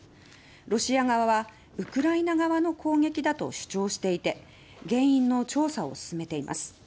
ロシア側はウクライナ側の攻撃だと主張していて原因の調査を進めています。